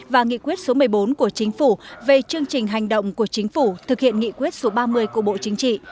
và nghị quyết số một mươi bốn của chính phủ về chương trình hành động của chính phủ thực hiện nghị quyết số ba mươi của bộ chính trị